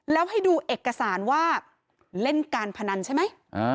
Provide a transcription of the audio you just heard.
แล้วให้ดูเอกสารว่าเล่นการพนันใช่ไหม